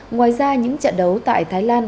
ngoài ra những trận đấu tại thái lan